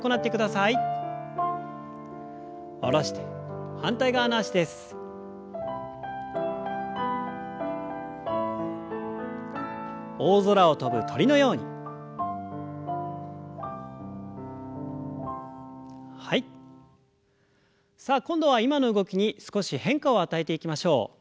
さあ今度は今の動きに少し変化を与えていきましょう。